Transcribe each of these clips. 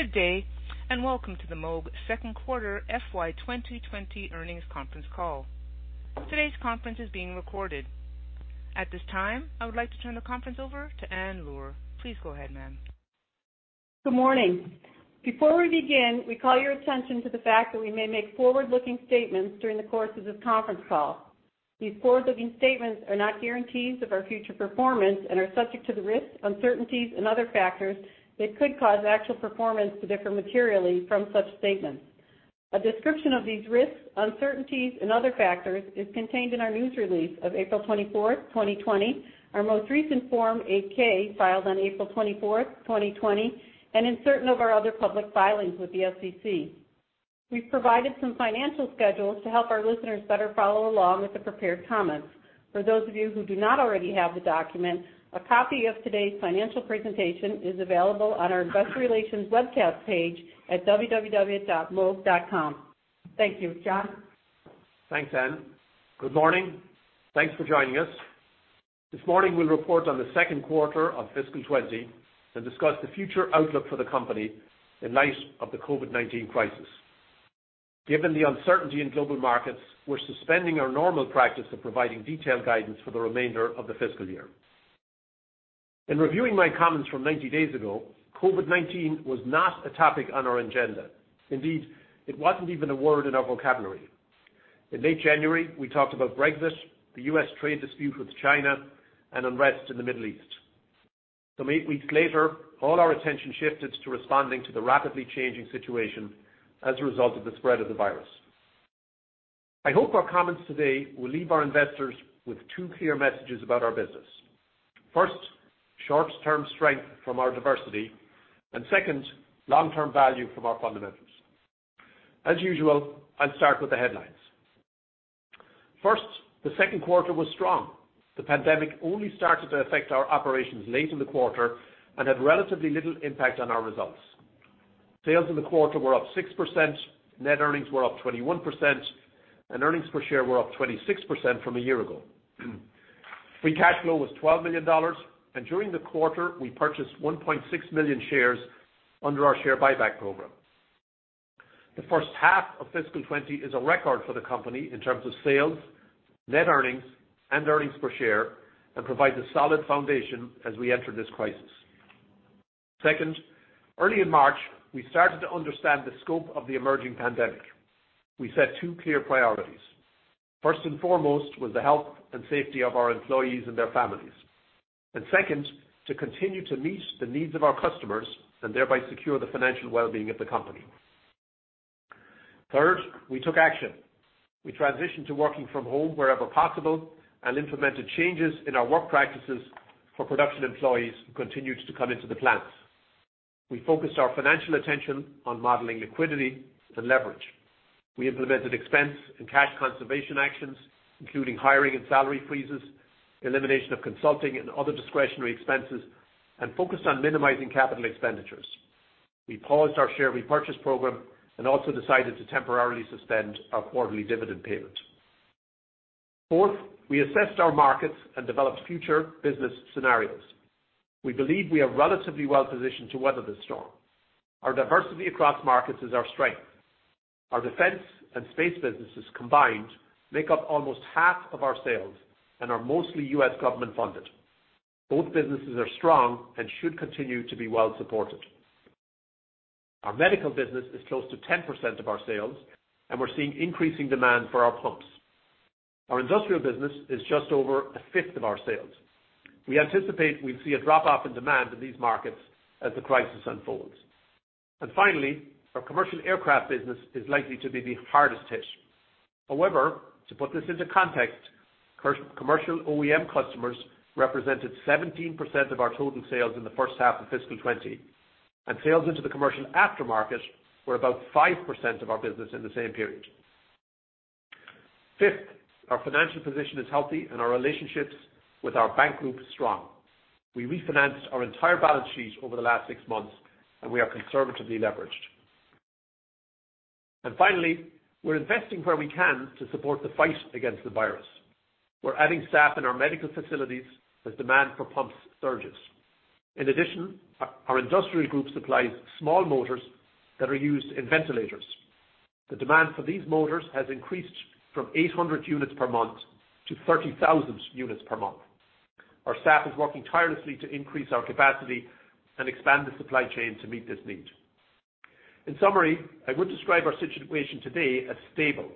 Good day, and welcome to the Moog second quarter FY 2020 earnings conference call. Today's conference is being recorded. At this time, I would like to turn the conference over to Ann Luhr. Please go ahead, ma'am. Good morning. Before we begin, we call your attention to the fact that we may make forward-looking statements during the course of this conference call. These forward-looking statements are not guarantees of our future performance and are subject to the risks, uncertainties and other factors that could cause actual performance to differ materially from such statements. A description of these risks, uncertainties and other factors is contained in our news release of April 24th, 2020, our most recent Form 8-K filed on April 24th, 2020, and in certain of our other public filings with the SEC. We've provided some financial schedules to help our listeners better follow along with the prepared comments. For those of you who do not already have the document, a copy of today's financial presentation is available on our investor relations webcast page at www.moog.com. Thank you. John? Thanks, Ann. Good morning. Thanks for joining us. This morning we'll report on the second quarter of fiscal 2020 and discuss the future outlook for the company in light of the COVID-19 crisis. Given the uncertainty in global markets, we're suspending our normal practice of providing detailed guidance for the remainder of the fiscal year. In reviewing my comments from 90 days ago, COVID-19 was not a topic on our agenda. Indeed, it wasn't even a word in our vocabulary. In late January, we talked about Brexit, the U.S. trade dispute with China, and unrest in the Middle East. Eight weeks later, all our attention shifted to responding to the rapidly changing situation as a result of the spread of the virus. I hope our comments today will leave our investors with two clear messages about our business. First, short-term strength from our diversity, and second, long-term value from our fundamentals. As usual, I'll start with the headlines. First, the second quarter was strong. The pandemic only started to affect our operations late in the quarter and had relatively little impact on our results. Sales in the quarter were up 6%, net earnings were up 21%, and earnings per share were up 26% from a year ago. Free cash flow was $12 million, and during the quarter, we purchased 1.6 million shares under our share buyback program. The first half of fiscal 2020 is a record for the company in terms of sales, net earnings, and earnings per share, and provides a solid foundation as we enter this crisis. Second, early in March, we started to understand the scope of the emerging pandemic. We set two clear priorities. First and foremost was the health and safety of our employees and their families. Second, to continue to meet the needs of our customers and thereby secure the financial well-being of the company. Third, we took action. We transitioned to working from home wherever possible and implemented changes in our work practices for production employees who continued to come into the plants. We focused our financial attention on modeling liquidity and leverage. We implemented expense and cash conservation actions, including hiring and salary freezes, elimination of consulting and other discretionary expenses, and focused on minimizing capital expenditures. We paused our share repurchase program and also decided to temporarily suspend our quarterly dividend payment. Fourth, we assessed our markets and developed future business scenarios. We believe we are relatively well positioned to weather this storm. Our diversity across markets is our strength. Our defense and space businesses combined make up almost half of our sales and are mostly U.S. government funded. Both businesses are strong and should continue to be well supported. Our medical business is close to 10% of our sales, and we're seeing increasing demand for our pumps. Our industrial business is just over a fifth of our sales. We anticipate we'll see a drop-off in demand in these markets as the crisis unfolds. Finally, our commercial aircraft business is likely to be the hardest hit. However, to put this into context, commercial OEM customers represented 17% of our total sales in the first half of fiscal 2020, and sales into the commercial aftermarket were about 5% of our business in the same period. Fifth, our financial position is healthy and our relationships with our bank group strong. We refinanced our entire balance sheet over the last six months, and we are conservatively leveraged. Finally, we're investing where we can to support the fight against the virus. We're adding staff in our medical facilities as demand for pumps surges. In addition, our industrial group supplies small motors that are used in ventilators. The demand for these motors has increased from 800 units per month to 30,000 units per month. Our staff is working tirelessly to increase our capacity and expand the supply chain to meet this need. In summary, I would describe our situation today as stable.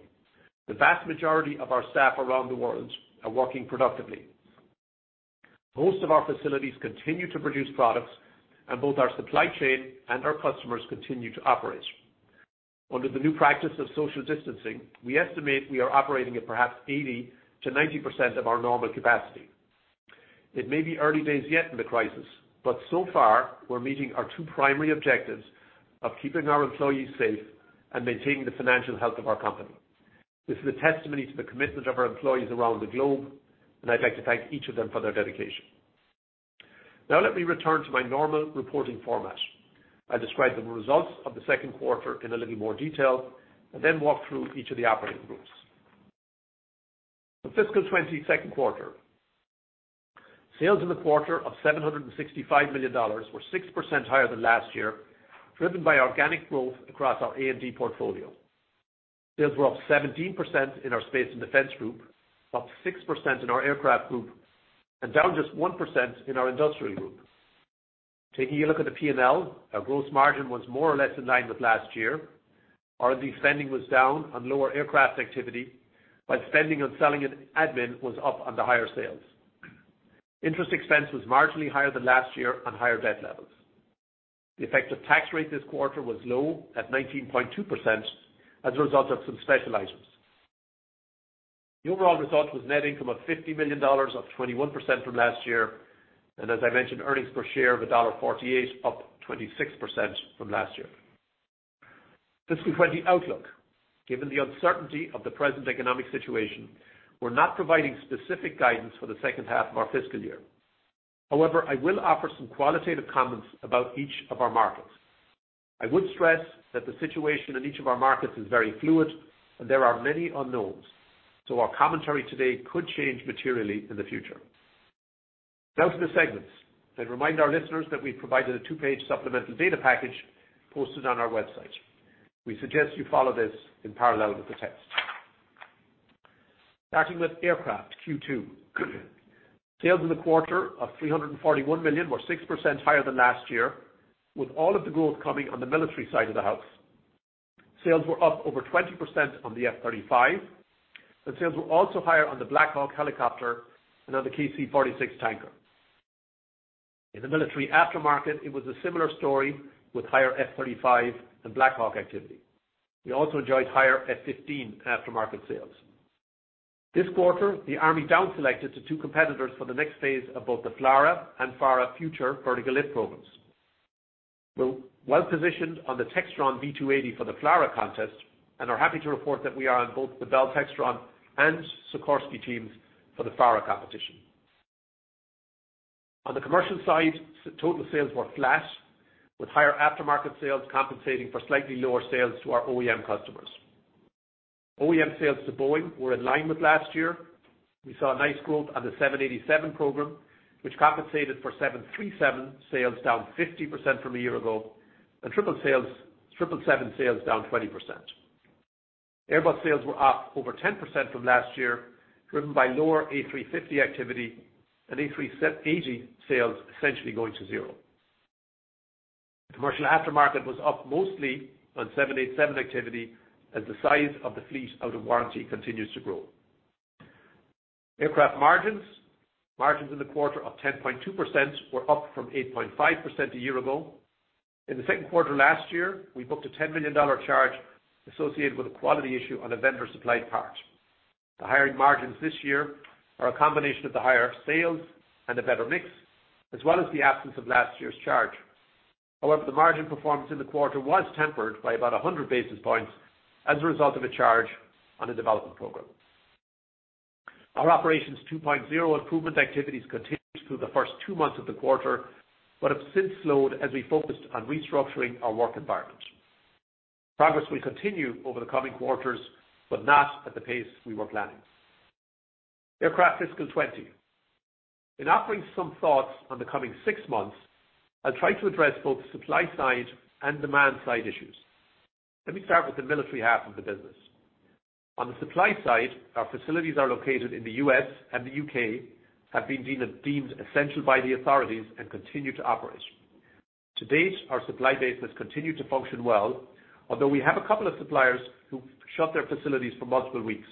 The vast majority of our staff around the world are working productively. Most of our facilities continue to produce products and both our supply chain and our customers continue to operate. Under the new practice of social distancing, we estimate we are operating at perhaps 80%-90% of our normal capacity. It may be early days yet in the crisis, but so far we're meeting our two primary objectives of keeping our employees safe and maintaining the financial health of our company. This is a testimony to the commitment of our employees around the globe, and I'd like to thank each of them for their dedication. Now let me return to my normal reporting format. I'll describe the results of the second quarter in a little more detail and then walk through each of the operating groups. For fiscal 2020 second quarter, sales in the quarter of $765 million were 6% higher than last year, driven by organic growth across our A&D portfolio. Sales were up 17% in our space and defense group, up 6% in our aircraft group, and down just 1% in our industrial group. Taking a look at the P&L, our gross margin was more or less in line with last year. R&D spending was down on lower aircraft activity, while spending on selling and admin was up on the higher sales. Interest expense was marginally higher than last year on higher debt levels. The effective tax rate this quarter was low at 19.2% as a result of some special items. The overall result was net income of $50 million, up 21% from last year. As I mentioned, earnings per share of $1.48, up 26% from last year. Fiscal 2020 outlook. Given the uncertainty of the present economic situation, we're not providing specific guidance for the second half of our fiscal year. However, I will offer some qualitative comments about each of our markets. I would stress that the situation in each of our markets is very fluid and there are many unknowns, so our commentary today could change materially in the future. Now to the segments, I'd remind our listeners that we provided a two-page supplemental data package posted on our website. We suggest you follow this in parallel with the text. Starting with aircraft Q2. Sales in the quarter of $341 million were 6% higher than last year, with all of the growth coming on the military side of the house. Sales were up over 20% on the F-35, and sales were also higher on the Black Hawk helicopter and on the KC-46 tanker. In the military aftermarket, it was a similar story with higher F-35 and Black Hawk activity. We also enjoyed higher F-15 aftermarket sales. This quarter, the Army down selected to two competitors for the next phase of both the FLRAA and FARA Future vertical lift programs. We're well-positioned on the Textron V-280 for the FLRAA contest and are happy to report that we are on both the Bell Textron and Sikorsky teams for the FARA competition. On the commercial side, total sales were flat, with higher aftermarket sales compensating for slightly lower sales to our OEM customers. OEM sales to Boeing were in line with last year. We saw a nice growth on the 787 program, which compensated for 737 sales down 50% from a year ago, and 777 sales down 20%. Airbus sales were up over 10% from last year, driven by lower A350 activity and A380 sales essentially going to zero. The commercial aftermarket was up mostly on 787 activity as the size of the fleet out of warranty continues to grow. Aircraft margins. Margins in the quarter of 10.2% were up from 8.5% a year ago. In the second quarter last year, we booked a $10 million charge associated with a quality issue on a vendor-supplied part. The higher margins this year are a combination of the higher sales and a better mix, as well as the absence of last year's charge. However, the margin performance in the quarter was tempered by about 100 basis points as a result of a charge on a development program. Our Operations 2.0 improvement activities continued through the first two months of the quarter but have since slowed as we focused on restructuring our work environment. Progress will continue over the coming quarters, but not at the pace we were planning. Aircraft fiscal 20. In offering some thoughts on the coming six months, I'll try to address both supply side and demand side issues. Let me start with the military half of the business. On the supply side, our facilities are located in the U.S. and the U.K. have been deemed essential by the authorities and continue to operate. To date, our supply base has continued to function well, although we have a couple of suppliers who shut their facilities for multiple weeks.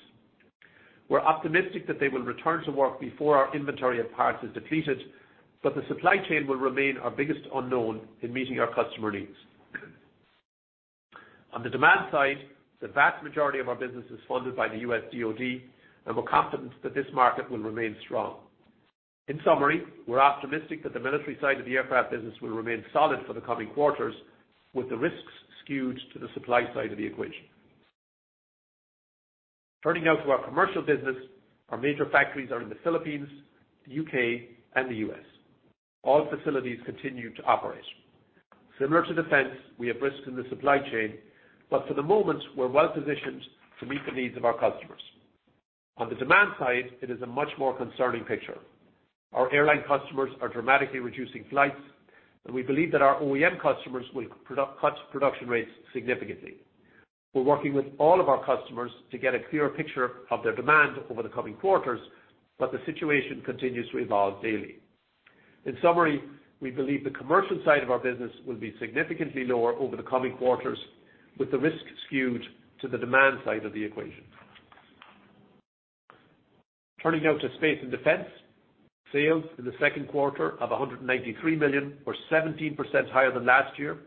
We're optimistic that they will return to work before our inventory of parts is depleted, but the supply chain will remain our biggest unknown in meeting our customer needs. On the demand side, the vast majority of our business is funded by the U.S. DOD, and we're confident that this market will remain strong. In summary, we're optimistic that the military side of the aircraft business will remain solid for the coming quarters, with the risks skewed to the supply side of the equation. Turning now to our commercial business, our major factories are in the Philippines, the U.K., and the U.S. All facilities continue to operate. Similar to defense, we have risks in the supply chain, but for the moment, we're well-positioned to meet the needs of our customers. On the demand side, it is a much more concerning picture. Our airline customers are dramatically reducing flights, and we believe that our OEM customers will cut production rates significantly. We're working with all of our customers to get a clearer picture of their demand over the coming quarters, but the situation continues to evolve daily. In summary, we believe the commercial side of our business will be significantly lower over the coming quarters, with the risk skewed to the demand side of the equation. Turning now to Space and Defense. Sales in the second quarter of $193 million were 17% higher than last year.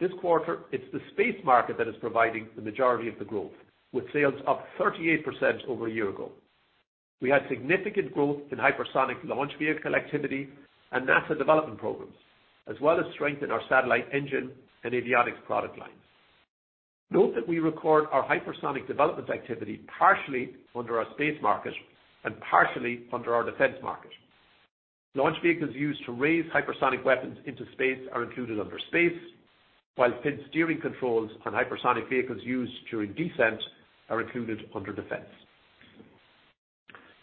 This quarter, it's the Space market that is providing the majority of the growth, with sales up 38% over a year ago. We had significant growth in hypersonic launch vehicle activity and NASA development programs, as well as strength in our satellite engine and avionics product lines. Note that we record our hypersonic development activity partially under our Space market and partially under our Defense market. Launch vehicles used to raise hypersonic weapons into space are included under Space, while fin steering controls on hypersonic vehicles used during descent are included under Defense.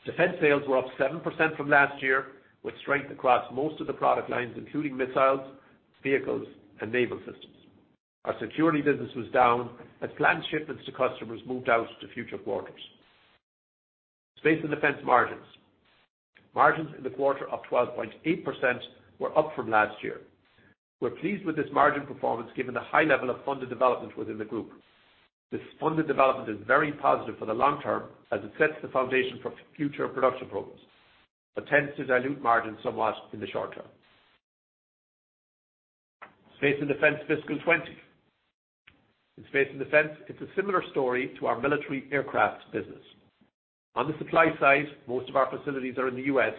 Defense sales were up 7% from last year, with strength across most of the product lines, including missiles, vehicles, and naval systems. Our security business was down as planned shipments to customers moved out to future quarters. Margins in the quarter up 12.8% were up from last year. We're pleased with this margin performance given the high level of funded development within the group. This funded development is very positive for the long term as it sets the foundation for future production programs, but tends to dilute margins somewhat in the short term. In space and defense, it's a similar story to our military aircraft business. On the supply side, most of our facilities are in the U.S.,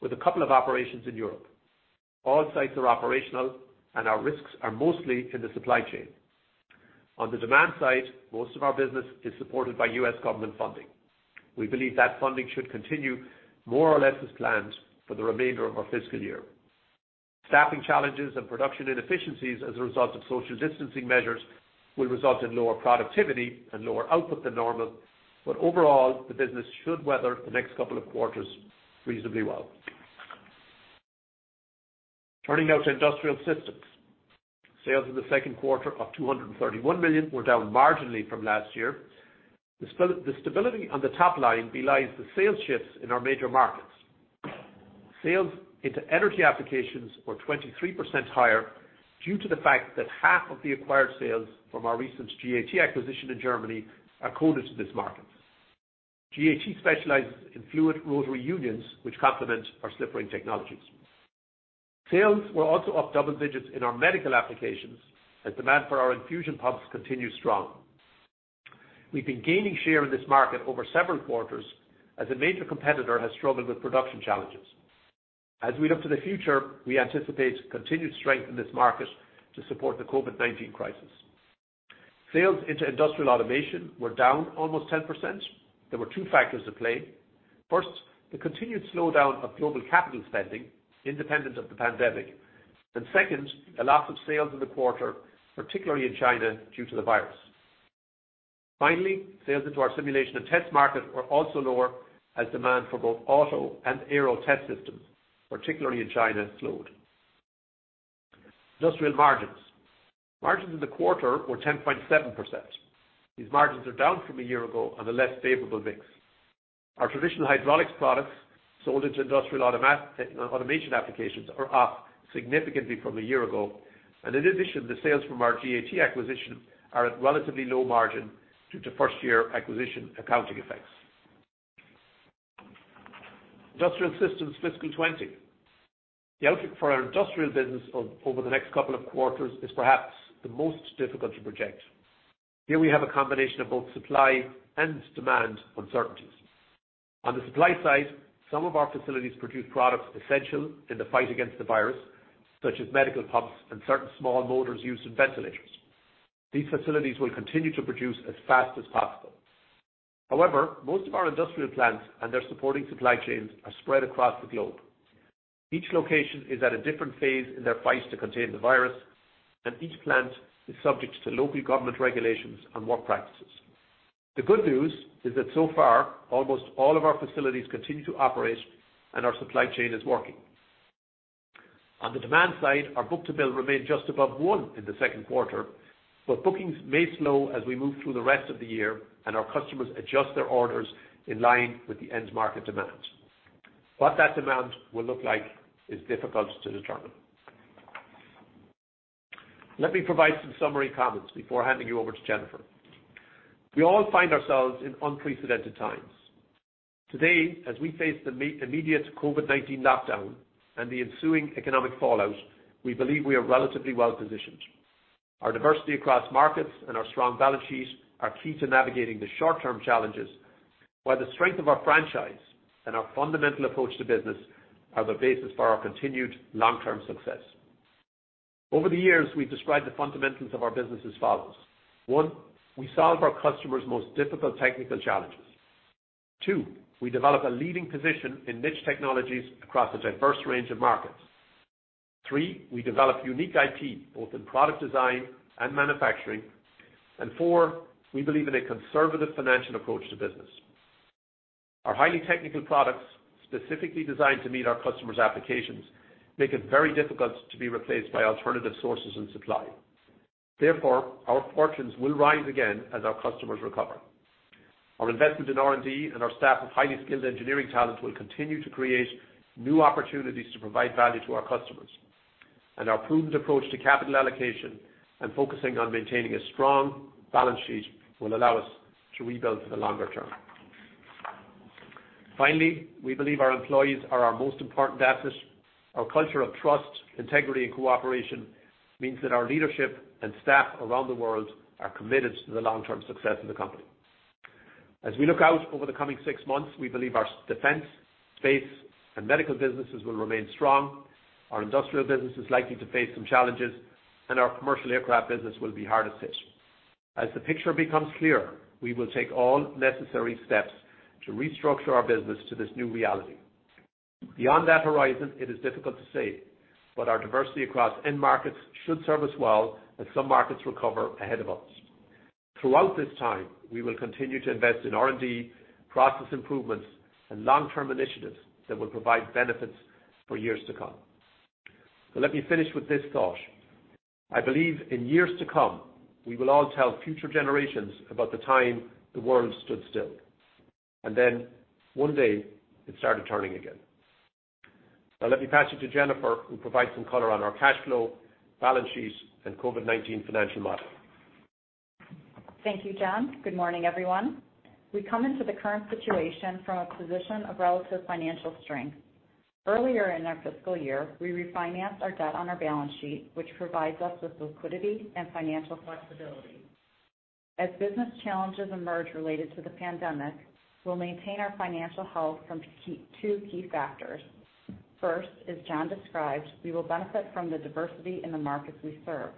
with a couple of operations in Europe. All sites are operational, and our risks are mostly to the supply chain. On the demand side, most of our business is supported by U.S. government funding. We believe that funding should continue more or less as planned for the remainder of our fiscal year. Staffing challenges and production inefficiencies as a result of social distancing measures will result in lower productivity and lower output than normal. Overall, the business should weather the next couple of quarters reasonably well. Turning now to Industrial Systems. Sales in the second quarter of $231 million were down marginally from last year. The stability on the top line belies the sales shifts in our major markets. Sales into energy applications were 23% higher due to the fact that half of the acquired sales from our recent GAT acquisition in Germany are coded to this market. GAT specializes in fluid rotary unions, which complement our slip ring technologies. Sales were also up double digits in our medical applications, as demand for our infusion pumps continued strong. We've been gaining share in this market over several quarters as a major competitor has struggled with production challenges. As we look to the future, we anticipate continued strength in this market to support the COVID-19 crisis. Sales into industrial automation were down almost 10%. There were two factors at play. First, the continued slowdown of global capital spending independent of the pandemic, and second, a loss of sales in the quarter, particularly in China, due to the virus. Finally, sales into our simulation and test market were also lower as demand for both auto and aero test systems, particularly in China, slowed. Industrial margins. Margins in the quarter were 10.7%. These margins are down from a year ago on a less favorable mix. Our traditional hydraulics products sold into industrial automation applications are up significantly from a year ago, and in addition, the sales from our GAT acquisition are at relatively low margin due to first-year acquisition accounting effects. Industrial systems fiscal 2020. The outlook for our industrial business over the next couple of quarters is perhaps the most difficult to project. Here we have a combination of both supply and demand uncertainties. On the supply side, some of our facilities produce products essential in the fight against the virus, such as medical pumps and certain small motors used in ventilators. These facilities will continue to produce as fast as possible. However, most of our industrial plants and their supporting supply chains are spread across the globe. Each location is at a different phase in their fight to contain the virus, and each plant is subject to local government regulations and work practices. The good news is that so far, almost all of our facilities continue to operate, and our supply chain is working. On the demand side, our book-to-bill remained just above one in the second quarter, but bookings may slow as we move through the rest of the year and our customers adjust their orders in line with the end market demand. What that demand will look like is difficult to determine. Let me provide some summary comments before handing you over to Jennifer. We all find ourselves in unprecedented times. Today, as we face the immediate COVID-19 lockdown and the ensuing economic fallout, we believe we are relatively well positioned. Our diversity across markets and our strong balance sheet are key to navigating the short-term challenges, while the strength of our franchise and our fundamental approach to business are the basis for our continued long-term success. Over the years, we've described the fundamentals of our business as follows. One, we solve our customers' most difficult technical challenges. Two, we develop a leading position in niche technologies across a diverse range of markets. Three, we develop unique IP, both in product design and manufacturing. Four, we believe in a conservative financial approach to business. Our highly technical products, specifically designed to meet our customers' applications, make it very difficult to be replaced by alternative sources and supply. Therefore, our fortunes will rise again as our customers recover. Our investment in R&D and our staff of highly skilled engineering talent will continue to create new opportunities to provide value to our customers. Our prudent approach to capital allocation and focusing on maintaining a strong balance sheet will allow us to rebuild for the longer term. Finally, we believe our employees are our most important asset. Our culture of trust, integrity, and cooperation means that our leadership and staff around the world are committed to the long-term success of the company. As we look out over the coming six months, we believe our defense, space, and medical businesses will remain strong. Our industrial business is likely to face some challenges, and our commercial aircraft business will be hardest hit. As the picture becomes clearer, we will take all necessary steps to restructure our business to this new reality. Beyond that horizon, it is difficult to say, but our diversity across end markets should serve us well as some markets recover ahead of us. Throughout this time, we will continue to invest in R&D, process improvements, and long-term initiatives that will provide benefits for years to come. Let me finish with this thought. I believe in years to come, we will all tell future generations about the time the world stood still, and then one day it started turning again. Now, let me pass you to Jennifer, who will provide some color on our cash flow, balance sheets, and COVID-19 financial model. Thank you, John. Good morning, everyone. We come into the current situation from a position of relative financial strength. Earlier in our fiscal year, we refinanced our debt on our balance sheet, which provides us with liquidity and financial flexibility. As business challenges emerge related to the pandemic, we'll maintain our financial health from two key factors. First, as John described, we will benefit from the diversity in the markets we serve.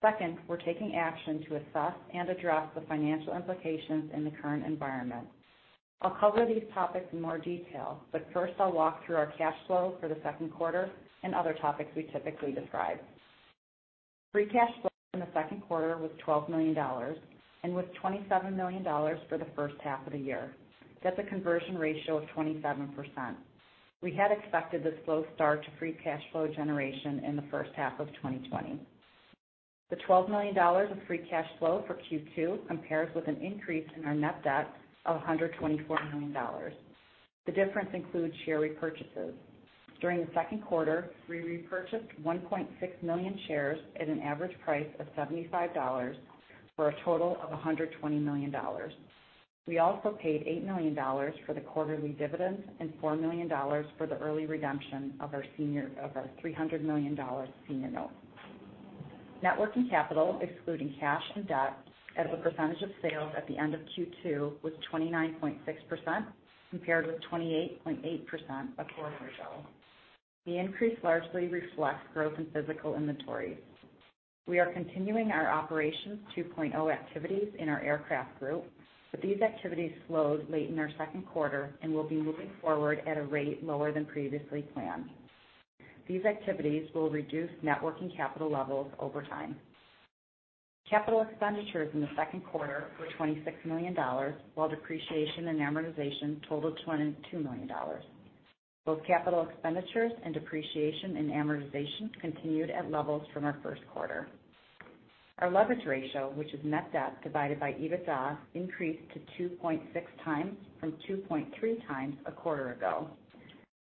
Second, we're taking action to assess and address the financial implications in the current environment. I'll cover these topics in more detail, but first I'll walk through our cash flow for the second quarter and other topics we typically describe. Free cash flow in the second quarter was $12 million and was $27 million for the first half of the year. That's a conversion ratio of 27%. We had expected a slow start to free cash flow generation in the first half of 2020. The $12 million of free cash flow for Q2 compares with an increase in our net debt of $124 million. The difference includes share repurchases. During the second quarter, we repurchased 1.6 million shares at an average price of $75 for a total of $120 million. We also paid $8 million for the quarterly dividends and $4 million for the early redemption of our $300 million senior note. Net working capital, excluding cash and debt as a percentage of sales at the end of Q2, was 29.6%, compared with 28.8% a quarter ago. The increase largely reflects growth in physical inventories. We are continuing our Operations 2.0 activities in our aircraft group, but these activities slowed late in our second quarter and will be moving forward at a rate lower than previously planned. These activities will reduce net working capital levels over time. Capital expenditures in the second quarter were $26 million, while depreciation and amortization totaled $22 million. Both capital expenditures and depreciation and amortization continued at levels from our first quarter. Our leverage ratio, which is net debt divided by EBITDA, increased to 2.6x from 2.3x a quarter ago.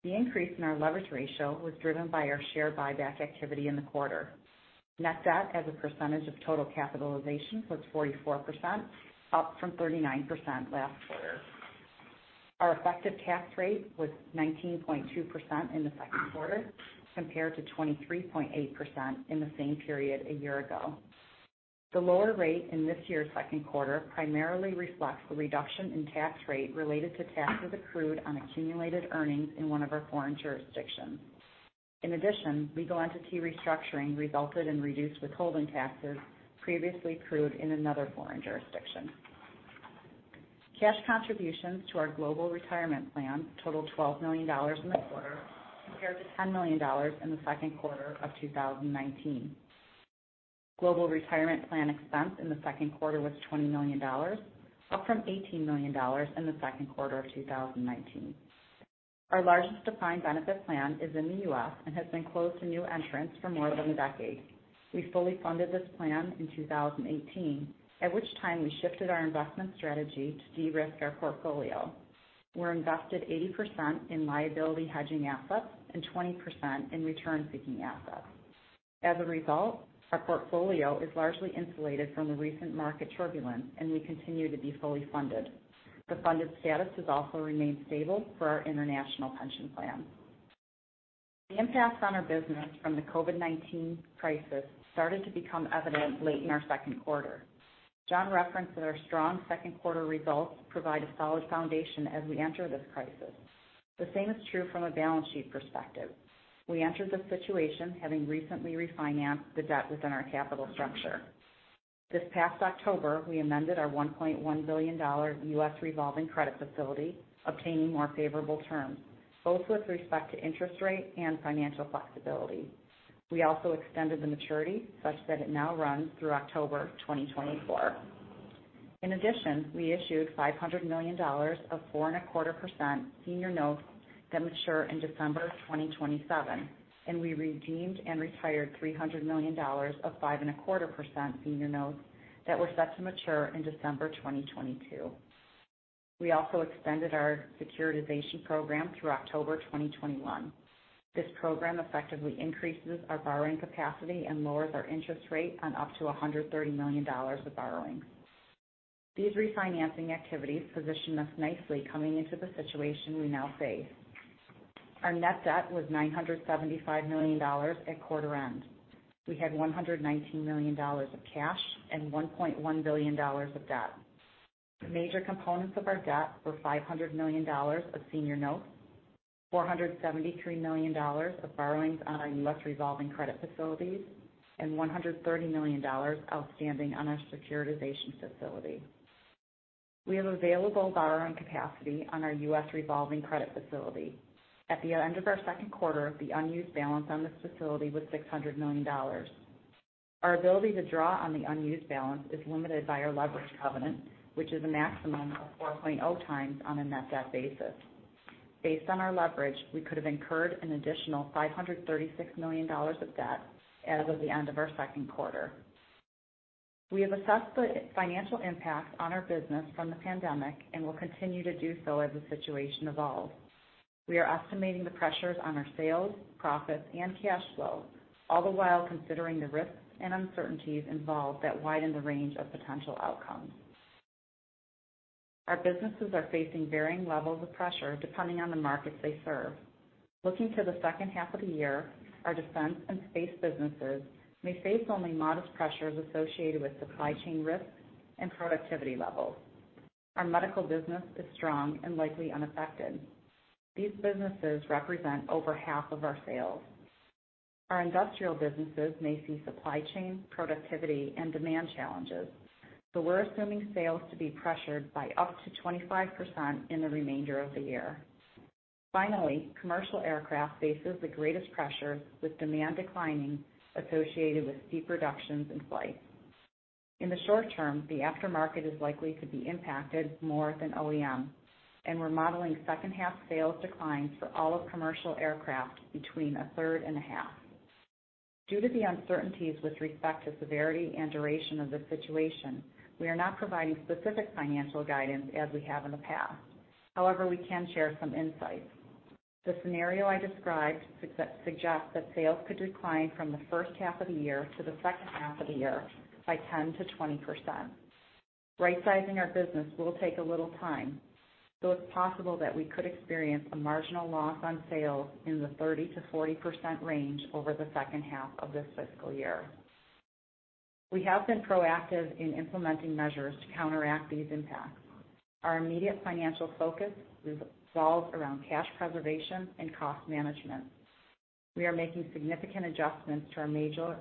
The increase in our leverage ratio was driven by our share buyback activity in the quarter. Net debt as a percentage of total capitalization was 44%, up from 39% last quarter. Our effective tax rate was 19.2% in the second quarter, compared to 23.8% in the same period a year ago. The lower rate in this year's second quarter primarily reflects the reduction in tax rate related to taxes accrued on accumulated earnings in one of our foreign jurisdictions. In addition, legal entity restructuring resulted in reduced withholding taxes previously accrued in another foreign jurisdiction. Cash contributions to our global retirement plan totaled $12 million in the quarter, compared to $10 million in the second quarter of 2019. Global retirement plan expense in the second quarter was $20 million, up from $18 million in the second quarter of 2019. Our largest defined benefit plan is in the U.S. and has been closed to new entrants for more than a decade. We fully funded this plan in 2018, at which time we shifted our investment strategy to de-risk our portfolio. We're invested 80% in liability hedging assets and 20% in return-seeking assets. As a result, our portfolio is largely insulated from the recent market turbulence, and we continue to be fully funded. The funded status has also remained stable for our international pension plan. The impacts on our business from the COVID-19 crisis started to become evident late in our second quarter. John referenced that our strong second quarter results provide a solid foundation as we enter this crisis. The same is true from a balance sheet perspective. We entered the situation having recently refinanced the debt within our capital structure. This past October, we amended our $1.1 billion U.S. revolving credit facility, obtaining more favorable terms, both with respect to interest rate and financial flexibility. We also extended the maturity such that it now runs through October 2024. In addition, we issued $500 million of 4.25% senior notes that mature in December 2027, and we redeemed and retired $300 million of 5.25% senior notes that were set to mature in December 2022. We also extended our securitization program through October 2021. This program effectively increases our borrowing capacity and lowers our interest rate on up to $130 million of borrowing. These refinancing activities position us nicely coming into the situation we now face. Our net debt was $975 million at quarter end. We had $119 million of cash and $1.1 billion of debt. The major components of our debt were $500 million of senior notes, $473 million of borrowings on our U.S. revolving credit facilities and $130 million outstanding on our securitization facility. We have available borrowing capacity on our U.S. revolving credit facility. At the end of our second quarter, the unused balance on this facility was $600 million. Our ability to draw on the unused balance is limited by our leverage covenant, which is a maximum of 4.0x on a net debt basis. Based on our leverage, we could have incurred an additional $536 million of debt as of the end of our second quarter. We have assessed the financial impact on our business from the pandemic and will continue to do so as the situation evolves. We are estimating the pressures on our sales, profits, and cash flow, all the while considering the risks and uncertainties involved that widen the range of potential outcomes. Our businesses are facing varying levels of pressure depending on the markets they serve. Looking to the second half of the year, our defense and space businesses may face only modest pressures associated with supply chain risks and productivity levels. Our medical business is strong and likely unaffected. These businesses represent over half of our sales. Our industrial businesses may see supply chain, productivity, and demand challenges, so we're assuming sales to be pressured by up to 25% in the remainder of the year. Finally, commercial aircraft faces the greatest pressure, with demand declining associated with steep reductions in flights. In the short term, the aftermarket is likely to be impacted more than OEM, and we're modeling second half sales declines for all of commercial aircraft between a third and a half. Due to the uncertainties with respect to severity and duration of the situation, we are not providing specific financial guidance as we have in the past. However, we can share some insights. The scenario I described suggests that sales could decline from the first half of the year to the second half of the year by 10%-20%. Right-sizing our business will take a little time, so it's possible that we could experience a marginal loss on sales in the 30%-40% range over the second half of this fiscal year. We have been proactive in implementing measures to counteract these impacts. Our immediate financial focus revolves around cash preservation and cost management. We are making significant adjustments to our major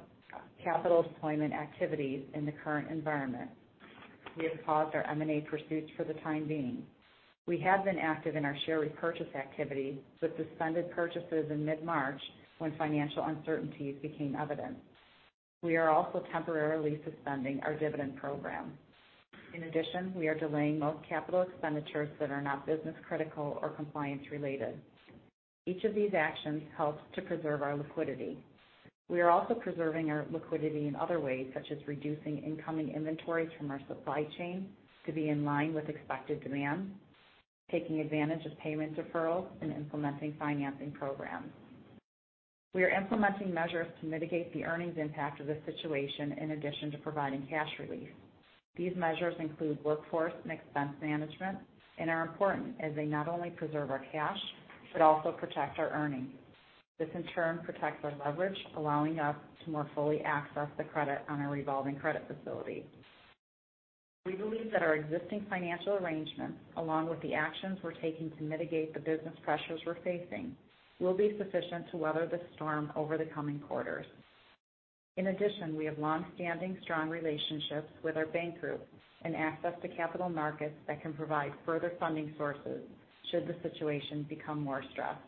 capital deployment activities in the current environment. We have paused our M&A pursuits for the time being. We have been active in our share repurchase activity, but suspended purchases in mid-March when financial uncertainties became evident. We are also temporarily suspending our dividend program. In addition, we are delaying most capital expenditures that are not business critical or compliance related. Each of these actions helps to preserve our liquidity. We are also preserving our liquidity in other ways, such as reducing incoming inventories from our supply chain to be in line with expected demand, taking advantage of payment deferrals, and implementing financing programs. We are implementing measures to mitigate the earnings impact of this situation in addition to providing cash relief. These measures include workforce and expense management and are important as they not only preserve our cash, but also protect our earnings. This, in turn, protects our leverage, allowing us to more fully access the credit on our revolving credit facility. We believe that our existing financial arrangements, along with the actions we're taking to mitigate the business pressures we're facing, will be sufficient to weather the storm over the coming quarters. In addition, we have longstanding strong relationships with our bank group and access to capital markets that can provide further funding sources should the situation become more stressed.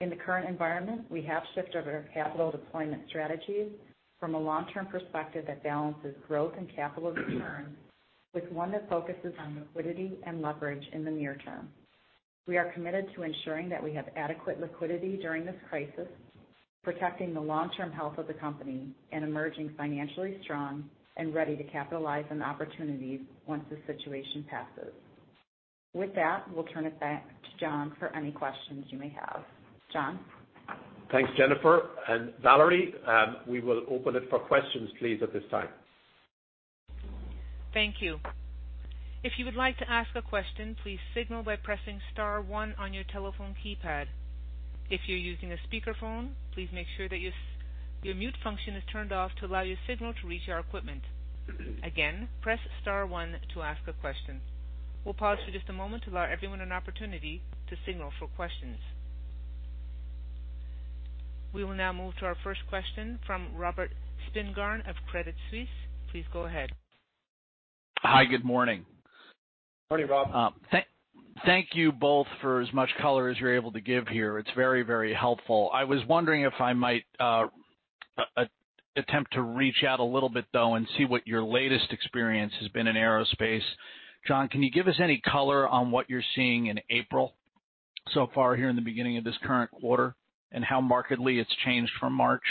In the current environment, we have shifted our capital deployment strategies from a long-term perspective that balances growth and capital return with one that focuses on liquidity and leverage in the near term. We are committed to ensuring that we have adequate liquidity during this crisis, protecting the long-term health of the company and emerging financially strong and ready to capitalize on opportunities once the situation passes. With that, we'll turn it back to John for any questions you may have. John? Thanks, Jennifer and Valerie. We will open it for questions, please, at this time. Thank you. If you would like to ask a question, please signal by pressing star one on your telephone keypad. If you're using a speakerphone, please make sure that your mute function is turned off to allow your signal to reach our equipment. Again, press star one to ask a question. We'll pause for just a moment to allow everyone an opportunity to signal for questions. We will now move to our first question from Robert Spingarn of Credit Suisse. Please go ahead. Hi, good morning. Morning, Rob. Thank you both for as much color as you're able to give here. It's very helpful. I was wondering if I might attempt to reach out a little bit, though, and see what your latest experience has been in aerospace. John, can you give us any color on what you're seeing in April so far here in the beginning of this current quarter and how markedly it's changed from March?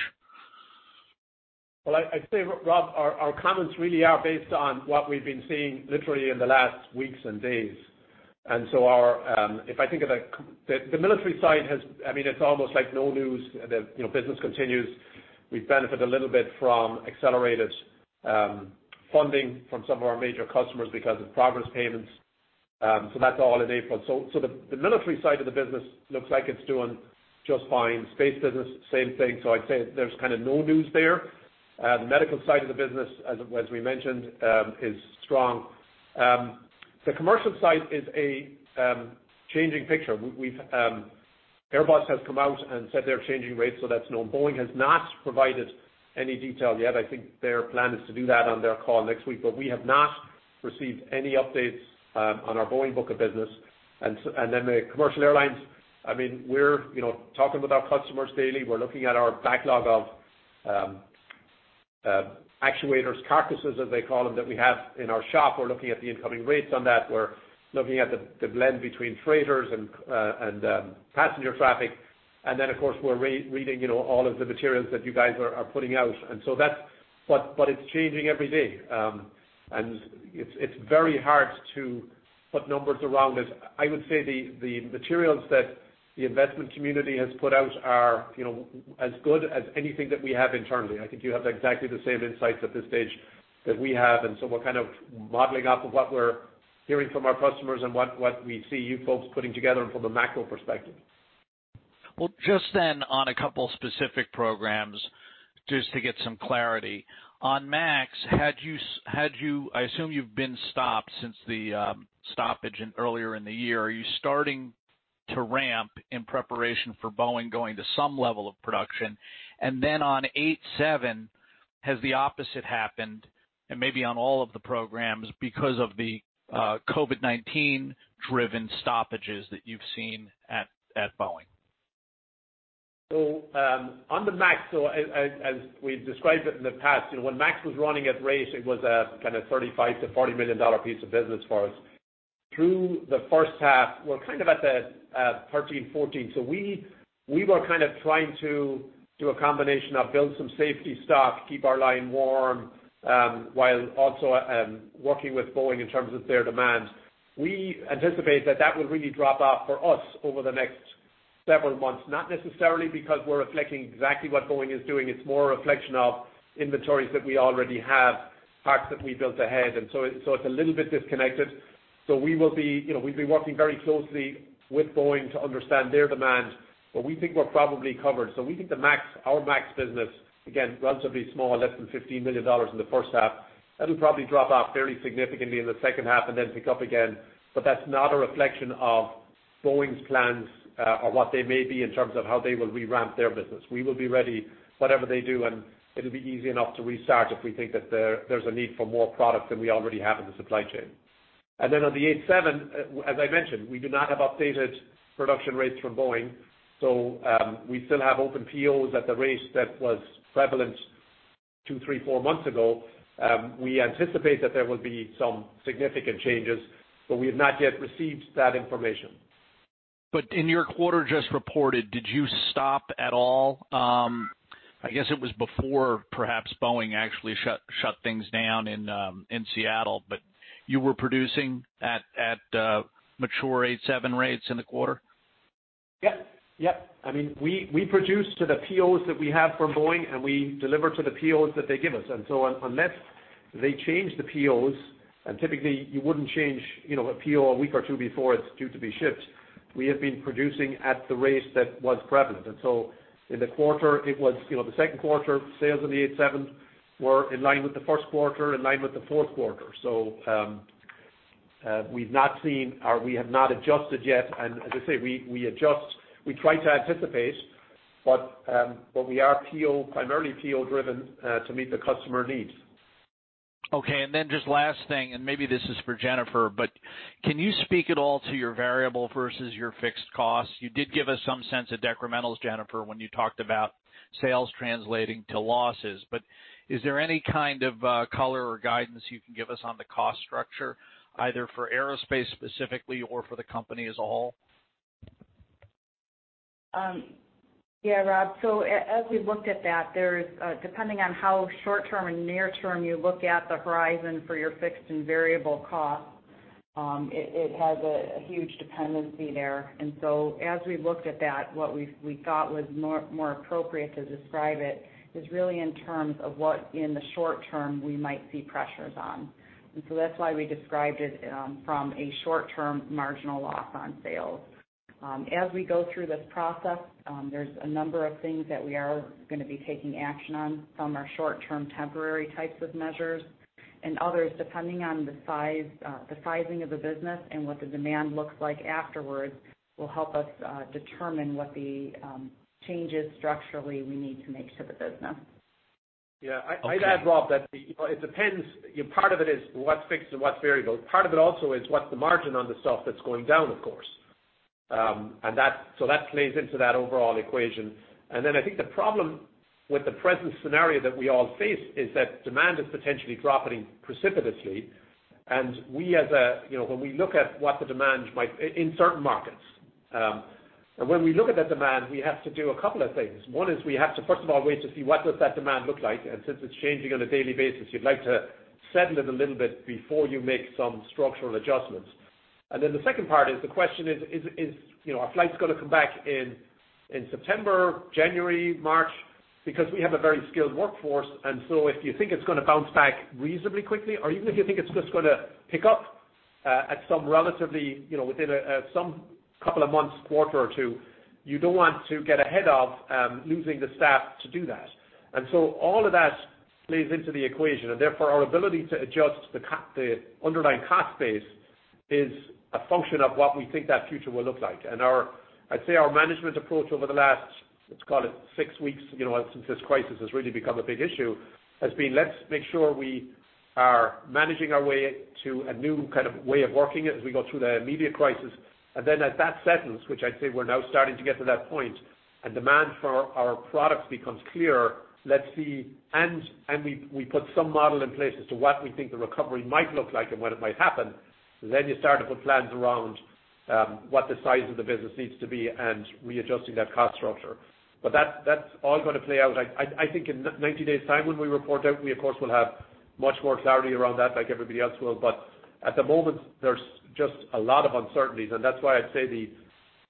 Well, I'd say, Rob, our comments really are based on what we've been seeing literally in the last weeks and days. The military side it's almost like no news. The business continues. We benefit a little bit from accelerated funding from some of our major customers because of progress payments. That's all in April. The military side of the business looks like it's doing just fine. Space business, same thing. I'd say there's kind of no news there. The medical side of the business, as we mentioned, is strong. The commercial side is a changing picture. Airbus has come out and said they're changing rates, so that's known. Boeing has not provided any detail yet. I think their plan is to do that on their call next week, but we have not received any updates on our Boeing book of business. the commercial airlines, we're talking with our customers daily. We're looking at our backlog of actuators, carcasses, as they call them, that we have in our shop. We're looking at the incoming rates on that. We're looking at the blend between freighters and passenger traffic. of course, we're reading all of the materials that you guys are putting out. it's changing every day. it's very hard to put numbers around it. I would say the materials that the investment community has put out are as good as anything that we have internally. I think you have exactly the same insights at this stage that we have. we're kind of modeling off of what we're hearing from our customers and what we see you folks putting together and from the macro perspective. Well, just then, on a couple specific programs, just to get some clarity. On Max, I assume you've been stopped since the stoppage earlier in the year. Are you starting to ramp in preparation for Boeing going to some level of production? on 87, has the opposite happened, and maybe on all of the programs because of the COVID-19 driven stoppages that you've seen at Boeing? On the Max, so as we've described it in the past, when Max was running at rate, it was a kind of $35 million-$40 million piece of business for us. Through the first half, we're kind of at the 13-14. We were kind of trying to do a combination of build some safety stock, keep our line warm, while also working with Boeing in terms of their demand. We anticipate that that will really drop off for us over the next several months, not necessarily because we're reflecting exactly what Boeing is doing. It's more a reflection of inventories that we already have, parts that we built ahead. It's a little bit disconnected. We've been working very closely with Boeing to understand their demand, but we think we're probably covered. We think our Max business, again, relatively small, less than $15 million in the first half. That'll probably drop off fairly significantly in the second half and then pick up again. That's not a reflection of Boeing's plans or what they may be in terms of how they will re-ramp their business. We will be ready, whatever they do, and it'll be easy enough to restart if we think that there's a need for more product than we already have in the supply chain. On the 87, as I mentioned, we do not have updated production rates from Boeing, so we still have open POs at the rates that was prevalent two, three, four months ago. We anticipate that there will be some significant changes, but we have not yet received that information. In your quarter just reported, did you stop at all? I guess it was before perhaps Boeing actually shut things down in Seattle, but you were producing at mature 87 rates in the quarter? Yep. We produce to the POs that we have from Boeing, and we deliver to the POs that they give us. Unless they change the POs, and typically you wouldn't change a PO a week or two before it's due to be shipped. We have been producing at the rate that was prevalent. In the quarter, the second quarter sales of the 87 were in line with the first quarter, in line with the fourth quarter. We have not adjusted yet. As I say, we try to anticipate, but we are primarily PO-driven to meet the customer needs. Okay, just last thing, and maybe this is for Jennifer, but can you speak at all to your variable versus your fixed costs? You did give us some sense of decrementals, Jennifer, when you talked about sales translating to losses. Is there any kind of color or guidance you can give us on the cost structure, either for aerospace specifically or for the company as a whole? Yeah, Rob. As we looked at that, depending on how short-term and near-term you look at the horizon for your fixed and variable costs, it has a huge dependency there. As we looked at that, what we thought was more appropriate to describe it is really in terms of what in the short term we might see pressures on. That's why we described it from a short-term marginal loss on sales. As we go through this process, there's a number of things that we are going to be taking action on. Some are short-term temporary types of measures, and others, depending on the sizing of the business and what the demand looks like afterwards, will help us determine what the changes structurally we need to make to the business. Yeah. I'd add, Rob, that it depends. Part of it is what's fixed and what's variable. Part of it also is what's the margin on the stuff that's going down, of course. That plays into that overall equation. I think the problem with the present scenario that we all face is that demand is potentially dropping precipitously. When we look at what the demand might, in certain markets. When we look at that demand, we have to do a couple of things. One is we have to, first of all, wait to see what does that demand look like. Since it's changing on a daily basis, you'd like to settle it a little bit before you make some structural adjustments. The second part is the question is, are flights going to come back in September, January, March? Because we have a very skilled workforce, and so if you think it's going to bounce back reasonably quickly, or even if you think it's just going to pick up at some relatively, within some couple of months, quarter or two, you don't want to get ahead of losing the staff to do that. All of that plays into the equation, and therefore, our ability to adjust the underlying cost base is a function of what we think that future will look like. I'd say our management approach over the last, let's call it six weeks, since this crisis has really become a big issue, has been let's make sure we are managing our way to a new kind of way of working as we go through the immediate crisis. As that settles, which I'd say we're now starting to get to that point, and demand for our products becomes clearer, let's see. we put some model in place as to what we think the recovery might look like and when it might happen. you start to put plans around what the size of the business needs to be and readjusting that cost structure. that's all going to play out. I think in 90 days' time when we report out, we, of course, will have much more clarity around that, like everybody else will. at the moment, there's just a lot of uncertainties, and that's why I'd say the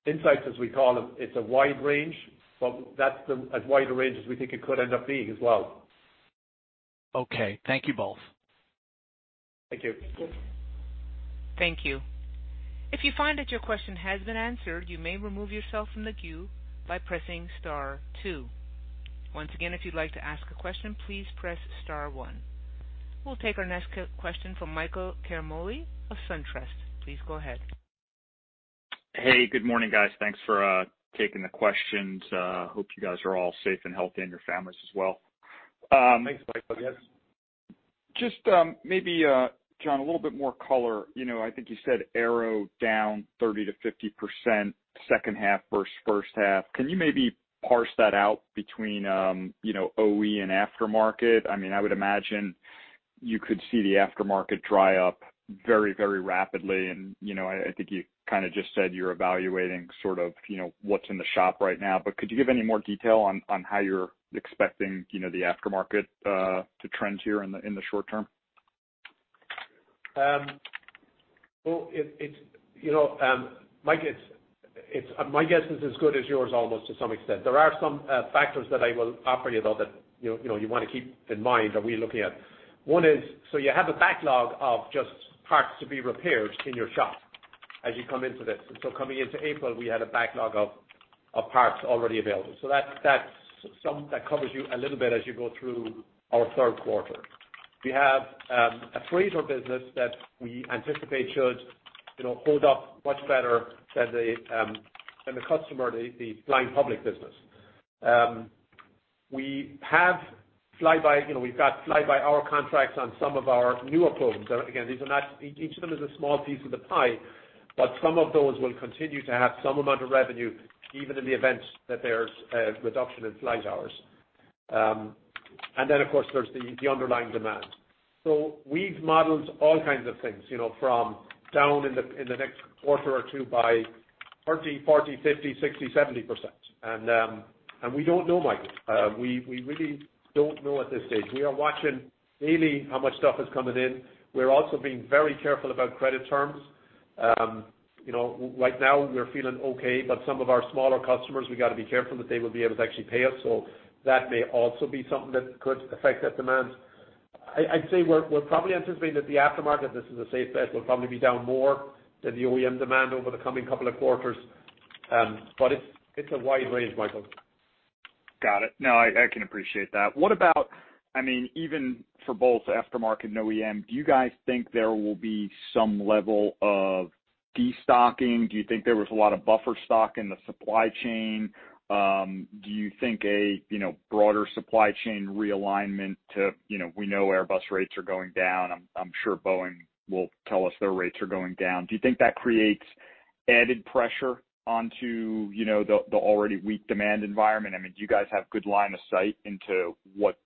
insights, as we call them, it's a wide range, but that's as wide a range as we think it could end up being as well. Okay. Thank you both. Thank you. Thank you. If you find that your question has been answered, you may remove yourself from the queue by pressing star two. Once again, if you'd like to ask a question, please press star one. We'll take our next question from Michael Ciarmoli of SunTrust. Please go ahead. Hey, good morning, guys. Thanks for taking the questions. Hope you guys are all safe and healthy, and your families as well. Thanks, Michael. Yes. Just maybe, John, a little bit more color. I think you said aero down 30%-50% second half versus first half. Can you maybe parse that out between OE and aftermarket? I would imagine you could see the aftermarket dry up very rapidly, and I think you kind of just said you're evaluating what's in the shop right now. Could you give any more detail on how you're expecting the aftermarket to trend here in the short term? Well, Mike, my guess is as good as yours almost to some extent. There are some factors that I will offer you, though, that you want to keep in mind that we're looking at. One is, so you have a backlog of just parts to be repaired in your shop as you come into this. Coming into April, we had a backlog of parts already available. That covers you a little bit as you go through our third quarter. We have a freighter business that we anticipate should hold up much better than the customer, the flying public business. We've got fly-by-hour contracts on some of our newer programs. Again, each of them is a small piece of the pie, but some of those will continue to have some amount of revenue, even in the event that there's a reduction in flight hours. Of course, there's the underlying demand. We've modeled all kinds of things, from down in the next quarter or two by 30%, 40%, 50%, 60%, 70%. We don't know, Michael. We really don't know at this stage. We are watching daily how much stuff is coming in. We're also being very careful about credit terms. Right now, we're feeling okay, but some of our smaller customers, we got to be careful that they will be able to actually pay us. That may also be something that could affect that demand. I'd say we're probably anticipating that the aftermarket, this is a safe bet, will probably be down more than the OEM demand over the coming couple of quarters. It's a wide range, Michael. Got it. No, I can appreciate that. What about even for both aftermarket and OEM, do you guys think there will be some level of de-stocking? Do you think there was a lot of buffer stock in the supply chain? Do you think a broader supply chain realignment? We know Airbus rates are going down. I'm sure Boeing will tell us their rates are going down. Do you think that creates added pressure onto the already weak demand environment? Do you guys have good line of sight into what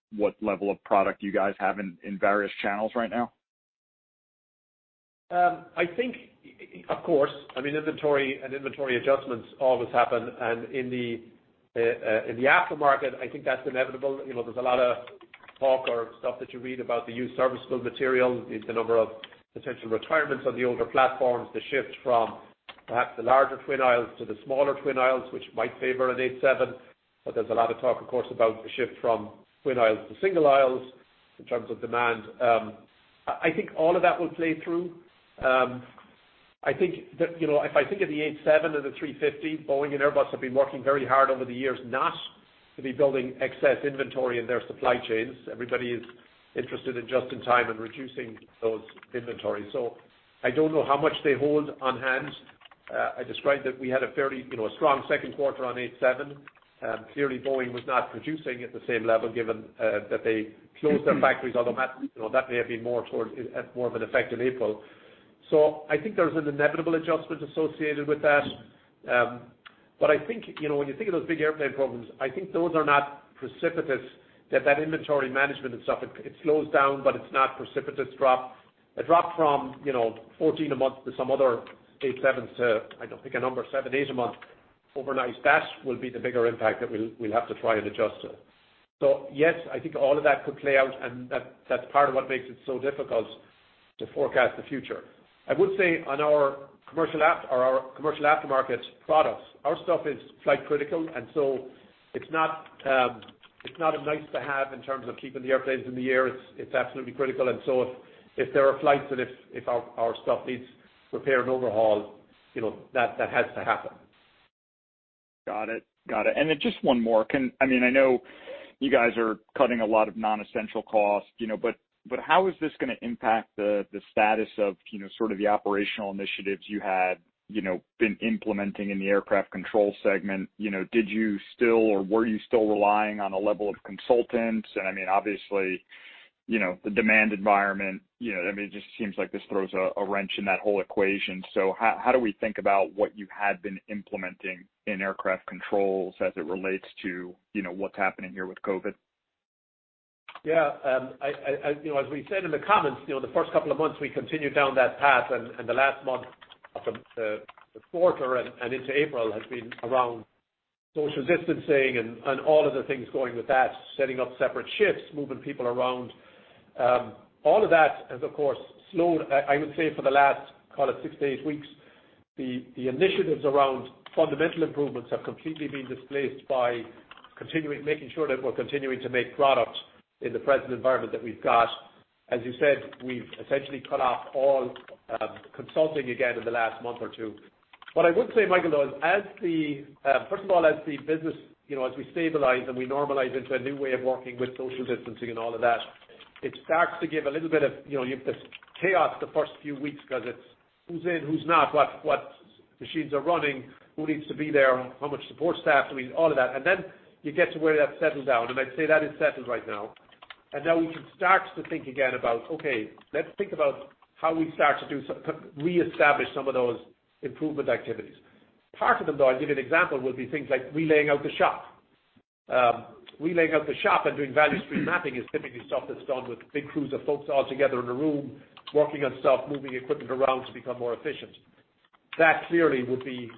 level of product you guys have in various channels right now? I think, of course. Inventory and inventory adjustments always happen, and in the aftermarket, I think that's inevitable. There's a lot of talk or stuff that you read about the used serviceable material. There's a number of potential retirements on the older platforms, the shift from perhaps the larger twin aisles to the smaller twin aisles, which might favor an A320. There's a lot of talk, of course, about the shift from twin aisles to single aisles in terms of demand. I think all of that will play through. If I think of the A350, Boeing and Airbus have been working very hard over the years not to be building excess inventory in their supply chains. Everybody is interested in just in time and reducing those inventories. I don't know how much they hold on hand. I described that we had a fairly strong second quarter on A320. Clearly, Boeing was not producing at the same level, given that they closed their factories automatically. That may have been more of an effect in April. I think there's an inevitable adjustment associated with that. When you think of those big airplane programs, I think those are not precipitous, that inventory management and stuff, it slows down, but it's not precipitous drop. A drop from 14 a month to some other A320 to, I don't pick a number, seven, eight a month overnight. That will be the bigger impact that we'll have to try and adjust to. Yes, I think all of that could play out, and that's part of what makes it so difficult to forecast the future. I would say on our commercial aftermarket products, our stuff is flight critical, and so it's not a nice to have in terms of keeping the airplanes in the air. It's absolutely critical. If there are flights that our stuff needs repair and overhaul, that has to happen. Got it. Just one more. I know you guys are cutting a lot of non-essential costs, but how is this going to impact the status of sort of the operational initiatives you had been implementing in the aircraft control segment? Did you still, or were you still relying on a level of consultants? Obviously, the demand environment, it just seems like this throws a wrench in that whole equation. How do we think about what you had been implementing in aircraft controls as it relates to what's happening here with COVID? Yeah. As we said in the comments, the first couple of months, we continued down that path, and the last month of the quarter and into April has been around social distancing and all of the things going with that, setting up separate shifts, moving people around. All of that has, of course, slowed, I would say for the last, call it six to eight weeks, the initiatives around fundamental improvements have completely been displaced by making sure that we're continuing to make product in the present environment that we've got. As you said, we've essentially cut off all consulting again in the last month or two. What I would say, Michael, though, first of all, as the business, as we stabilize and we normalize into a new way of working with social distancing and all of that, it starts to give a little bit of this chaos the first few weeks because it's who's in, who's not, what machines are running, who needs to be there, how much support staff do we need, all of that. Then you get to where that settles out, and I'd say that is settled right now. Now we can start to think again about, okay, let's think about how we reestablish some of those improvement activities. Part of them, though, I'll give you an example, would be things like re-laying out the shop. Re-laying out the shop and doing value stream mapping is typically stuff that's done with big crews of folks all together in a room, working on stuff, moving equipment around to become more efficient. That clearly would be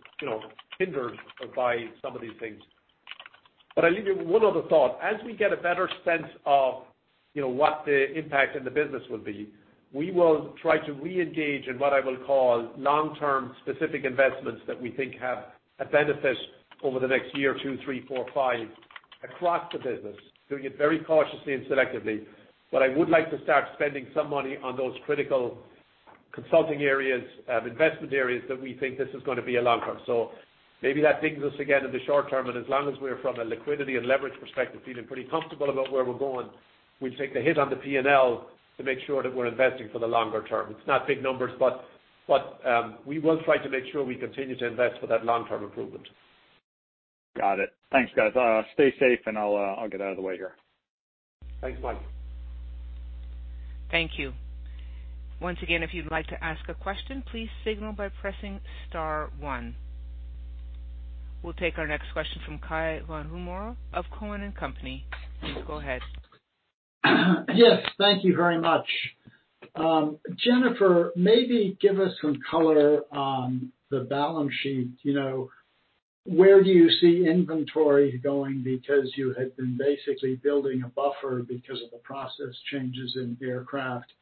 hindered by some of these things. I'll leave you with one other thought. As we get a better sense of what the impact in the business will be, we will try to reengage in what I will call long-term specific investments that we think have a benefit over the next year or two, three, four, five across the business, doing it very cautiously and selectively. I would like to start spending some money on those critical consulting areas, investment areas that we think this is going to be a long term. Maybe that dings us again in the short term, and as long as we're, from a liquidity and leverage perspective, feeling pretty comfortable about where we're going, we'll take the hit on the P&L to make sure that we're investing for the longer term. It's not big numbers, but we will try to make sure we continue to invest for that long-term improvement. Got it. Thanks, guys. Stay safe and I'll get out of the way here. Thanks, Mike. Thank you. Once again, if you'd like to ask a question, please signal by pressing star one. We'll take our next question from Cai von Rumohr of Cowen and Company. Please go ahead. Yes, thank you very much. Jennifer, maybe give us some color on the balance sheet. Where do you see inventory going because you had been basically building a buffer because of the process changes in aircraft.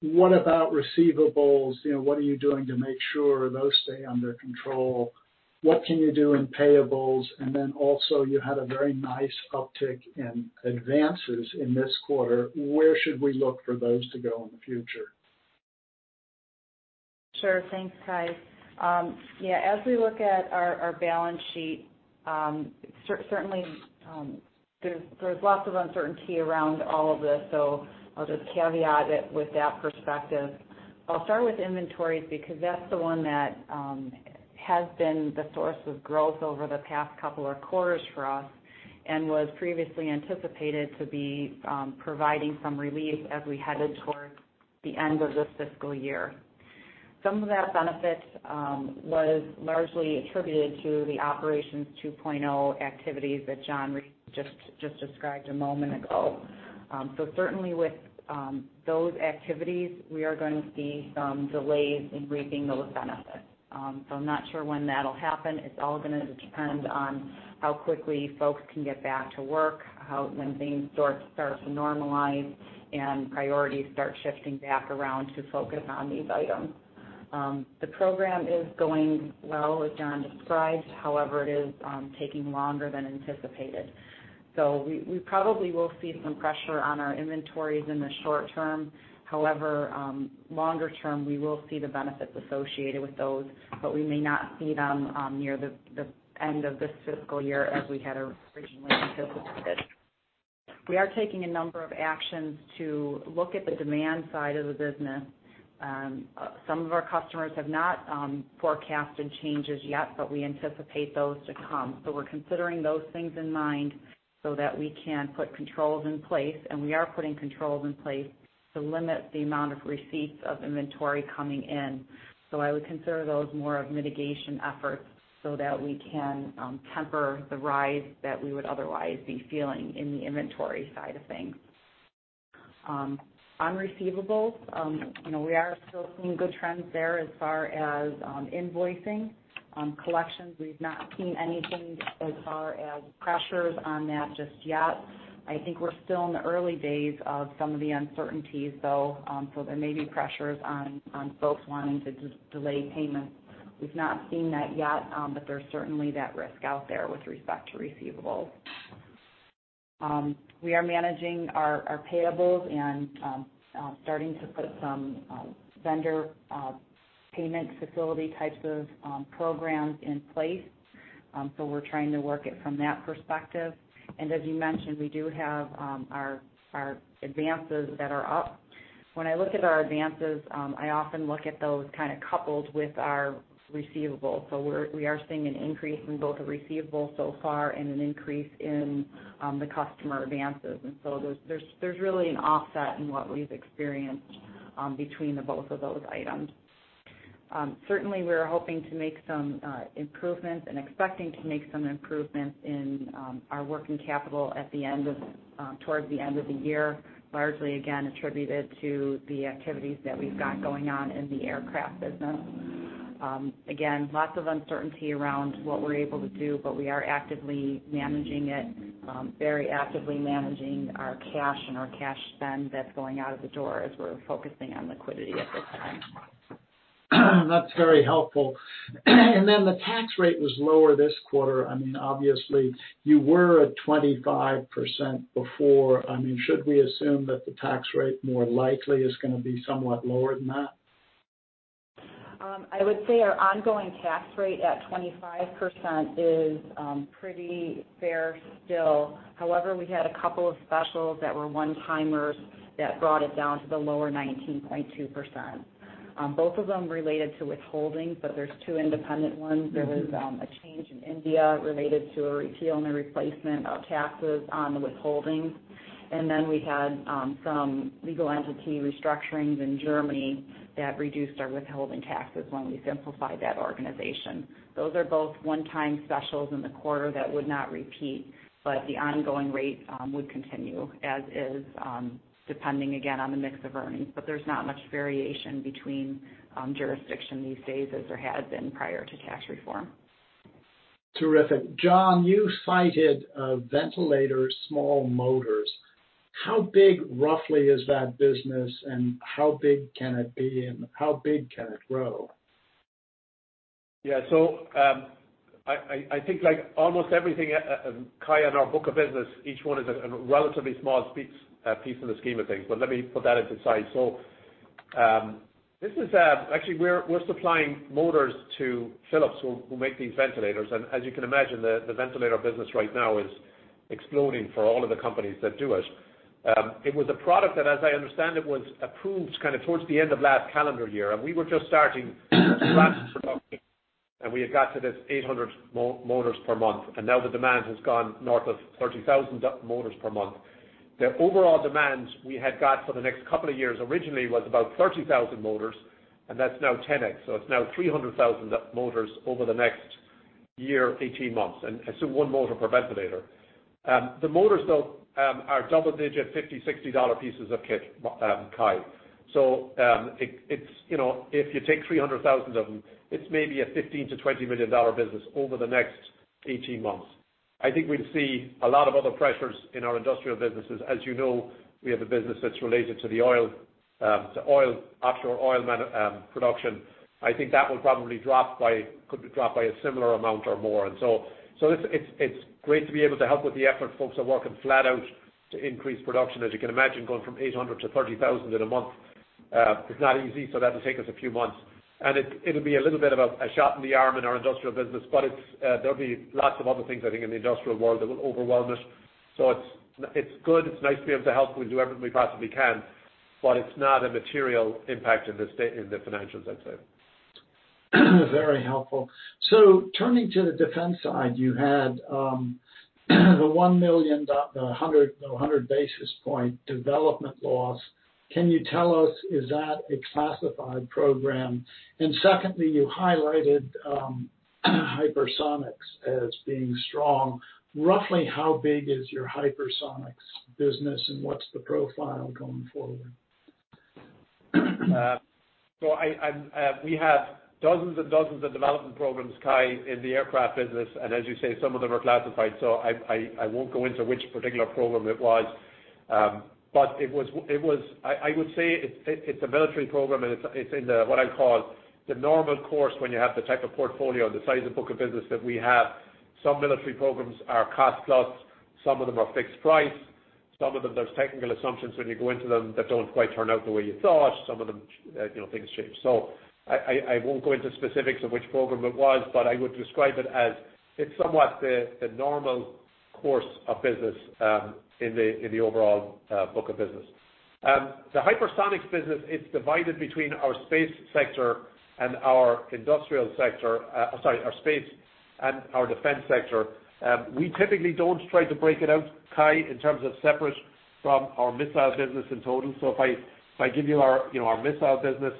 What about receivables? What are you doing to make sure those stay under control? What can you do in payables? also, you had a very nice uptick in advances in this quarter. Where should we look for those to go in the future? Sure. Thanks, Cai. Yeah. As we look at our balance sheet, certainly, there's lots of uncertainty around all of this, so I'll just caveat it with that perspective. I'll start with inventories because that's the one that has been the source of growth over the past couple of quarters for us and was previously anticipated to be providing some relief as we headed towards the end of this fiscal year. Some of that benefit was largely attributed to the Operations 2.0 activities that John just described a moment ago. Certainly with those activities, we are going to see some delays in reaping those benefits. I'm not sure when that'll happen. It's all going to depend on how quickly folks can get back to work, when things start to normalize and priorities start shifting back around to focus on these items. The program is going well, as John described. However, it is taking longer than anticipated. We probably will see some pressure on our inventories in the short term. However, longer term, we will see the benefits associated with those, but we may not see them near the end of this fiscal year as we had originally anticipated. We are taking a number of actions to look at the demand side of the business. Some of our customers have not forecasted changes yet, but we anticipate those to come. We're considering those things in mind so that we can put controls in place, and we are putting controls in place to limit the amount of receipts of inventory coming in. I would consider those more of mitigation efforts so that we can temper the rise that we would otherwise be feeling in the inventory side of things. On receivables, we are still seeing good trends there as far as invoicing. On collections, we've not seen anything as far as pressures on that just yet. I think we're still in the early days of some of the uncertainties, though, so there may be pressures on folks wanting to delay payments. We've not seen that yet, but there's certainly that risk out there with respect to receivables. We are managing our payables and starting to put some vendor payment facility types of programs in place. We're trying to work it from that perspective. As you mentioned, we do have our advances that are up. When I look at our advances, I often look at those coupled with our receivables. We are seeing an increase in both receivables so far and an increase in the customer advances. There's really an offset in what we've experienced between the both of those items. Certainly, we're hoping to make some improvements and expecting to make some improvements in our working capital towards the end of the year, largely again attributed to the activities that we've got going on in the aircraft business. Again, lots of uncertainty around what we're able to do, but we are actively managing it, very actively managing our cash and our cash spend that's going out of the door as we're focusing on liquidity at this time. That's very helpful. The tax rate was lower this quarter. Obviously, you were at 25% before. Should we assume that the tax rate more likely is going to be somewhat lower than that? I would say our ongoing tax rate at 25% is pretty fair still. However, we had a couple of specials that were one-timers that brought it down to the lower 19.2%. Both of them related to withholding, but there's two independent ones. There was a change in India related to a repeal and a replacement of taxes on the withholding. then we had some legal entity restructurings in Germany that reduced our withholding taxes when we simplified that organization. Those are both one-time specials in the quarter that would not repeat, but the ongoing rate would continue as is, depending again on the mix of earnings. there's not much variation between jurisdictions these days as there had been prior to tax reform. Terrific. John, you cited ventilator small motors. How big, roughly, is that business and how big can it grow? Yeah. I think like almost everything, Cai, in our book of business, each one is a relatively small piece in the scheme of things. Let me put that into size. Actually, we're supplying motors to Philips, who make these ventilators. As you can imagine, the ventilator business right now is exploding for all of the companies that do it. It was a product that, as I understand it, was approved towards the end of last calendar year, and we were just starting production, and we had got to this 800 motors per month, and now the demand has gone north of 30,000 motors per month. The overall demand we had got for the next couple of years originally was about 30,000 motors, and that's now 10x. It's now 300,000 motors over the next year, 18 months. Assume one motor per ventilator. The motors, though, are double-digit, $50, $60 pieces of kit, Cai. If you take 300,000 of them, it's maybe a $15 million-$20 million business over the next 18 months. I think we'd see a lot of other pressures in our industrial businesses. As you know, we have a business that's related to offshore oil production. I think that could drop by a similar amount or more. It's great to be able to help with the effort. Folks are working flat out to increase production. As you can imagine, going from 800-30,000 in a month is not easy, so that'll take us a few months. It'll be a little bit of a shot in the arm in our industrial business, but there'll be lots of other things, I think, in the industrial world that will overwhelm it. It's good. It's nice to be able to help. We'll do everything we possibly can, but it's not a material impact in the financials, I'd say. Very helpful. Turning to the defense side, you had the 1 million, the 100 basis point development loss. Can you tell us, is that a classified program? Secondly, you highlighted hypersonics as being strong. Roughly how big is your hypersonics business and what's the profile going forward? We have dozens and dozens of development programs, Cai, in the aircraft business. As you say, some of them are classified, so I won't go into which particular program it was. I would say it's a military program, and it's in what I call the normal course when you have the type of portfolio, the size of book of business that we have. Some military programs are cost plus, some of them are fixed price. Some of them, there's technical assumptions when you go into them that don't quite turn out the way you thought. Some of them, things change. I won't go into specifics of which program it was, but I would describe it as it's somewhat the normal course of business in the overall book of business. The hypersonics business, it's divided between our space and our defense sector. We typically don't try to break it out, Cai, in terms of separate from our missile business in total. If I give you our missile business,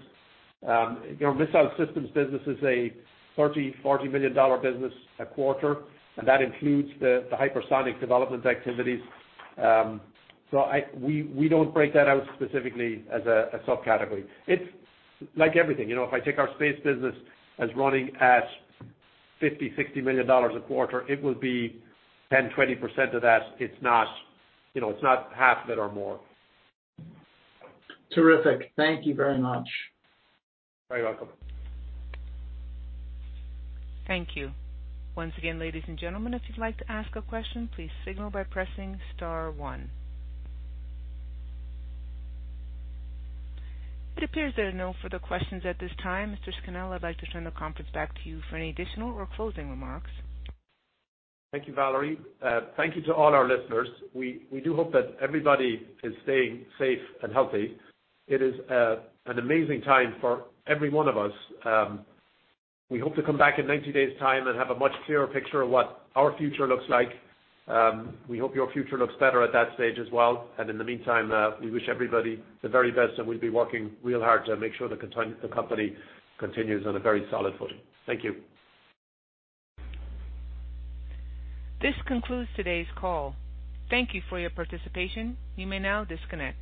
our missile systems business is a $30 million-$40 million business a quarter, and that includes the hypersonic development activities. We don't break that out specifically as a subcategory. It's like everything. If I take our space business as running at $50 million-$60 million a quarter, it will be 10%-20% of that. It's not half of it or more. Terrific. Thank you very much. Very welcome. Thank you. Once again, ladies and gentlemen, if you'd like to ask a question, please signal by pressing star one. It appears there are no further questions at this time. Mr. Scannell, I'd like to turn the conference back to you for any additional or closing remarks. Thank you, Valerie. Thank you to all our listeners. We do hope that everybody is staying safe and healthy. It is an amazing time for every one of us. We hope to come back in 90 days' time and have a much clearer picture of what our future looks like. We hope your future looks better at that stage as well. In the meantime, we wish everybody the very best, and we'll be working real hard to make sure the company continues on a very solid footing. Thank you. This concludes today's call. Thank you for your participation. You may now disconnect.